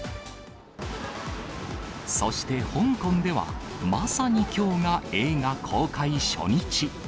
そして香港では、まさにきょうが映画公開初日。